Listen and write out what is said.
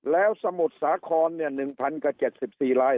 แล้วสมุดสาขอนเนี่ย๑๐๗๔ลาย